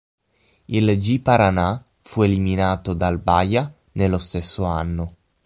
Il Ji-Paraná fu eliminato dal Bahia nello stesso anno.